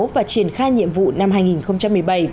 và triển khai nhiệm vụ năm hai nghìn một mươi bảy